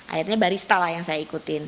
akhirnya barista lah yang saya ikutin